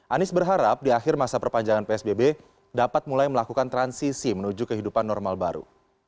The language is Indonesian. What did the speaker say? anies berharap di akhir masa perpanjangan psbb dapat mulai melakukan transisi menuju kehidupan normal baru